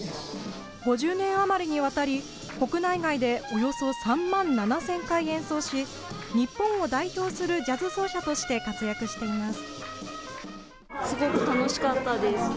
５０年余りにわたり国内外でおよそ３万７０００回演奏し、日本を代表するジャズ奏者として活躍しています。